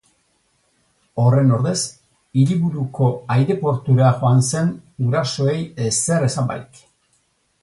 Horren ordez, hiriburuko aireportura joan zen, gurasoei ezer esan barik.